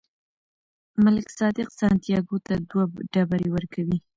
ملک صادق سانتیاګو ته دوه ډبرې ورکوي.